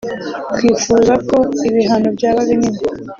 twifuza ko ibihano byaba binini